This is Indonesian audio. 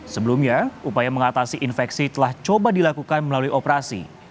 sebelumnya upaya mengatasi infeksi telah coba dilakukan melalui operasi